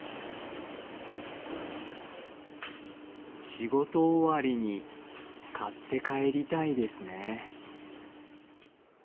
仕事終わりに買って帰りたいですね。